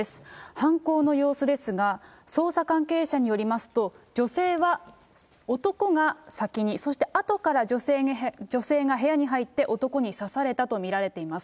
犯行の様子ですが、捜査関係者によりますと、女性は男が先に、そしてあとから女性が部屋に入って、男に刺されたと見られています。